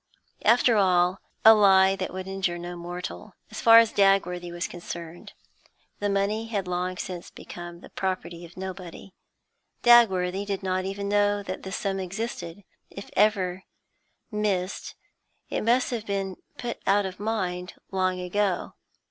After all, a lie that would injure no mortal. As far as Dagworthy was concerned, the money had long since become the property of nobody; Dagworthy did not even know that this sum existed; if ever missed, it must have been put out of mind long ago.